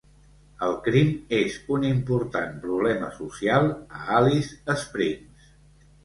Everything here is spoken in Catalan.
El crim és un important problema social a Alice Springs.